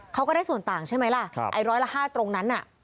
เขาก็ได้ส่วนต่างใช่ไหมล่ะไอ้ร้อยละ๕ตรงนั้นน่ะ